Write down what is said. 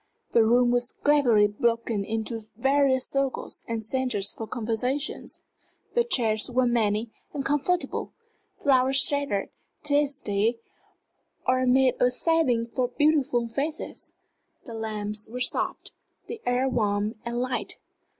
The room was cleverly broken into various circles and centres for conversation; the chairs were many and comfortable; flowers sheltered tête à têtes or made a setting for beautiful faces; the lamps were soft, the air warm and light.